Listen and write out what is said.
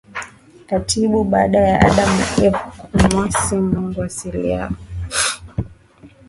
kitabia baada ya Adam na Eva kumwasi Mungu asili yao ikabadilika ikawa asili ya